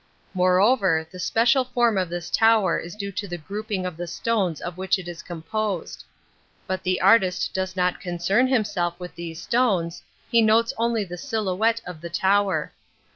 Moreover, the spe cial form of this tower is doe to the group ing of the stones of which it is composed ; ipl^H tade ' Metaphysics 27 but the artist does not concern himself with these stones, he notes only the silhouette of the tower.